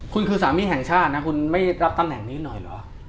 คุณคือสามีแห่งชาตินะคุณไม่รับตำแหน่งนี้หน่อยเหรอ